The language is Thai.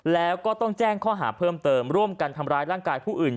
แล้วก็ต้องแจ้งข้อหาเพิ่มเติมร่วมกันทำร้ายร่างกายผู้อื่น